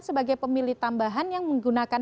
sebagai pemilih tambahan yang menggunakan